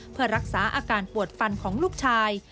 เพื่อรักษาอาการปวดฟันของลูกชาย